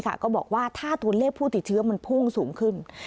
ก็บอกว่าถ้าตัวเลขผู้ติดเชื้อมันพุ่งสูงขึ้น